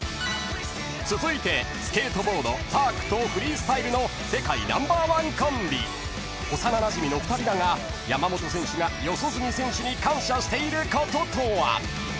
［続いてスケートボードパークとフリースタイルの世界ナンバーワンコンビ］［幼なじみの２人だが山本選手が四十住選手に感謝していることとは］